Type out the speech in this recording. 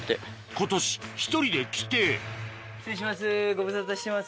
今年１人で来て失礼します